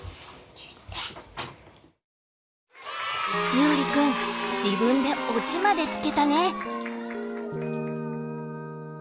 ゆうりくん自分でオチまでつけたね。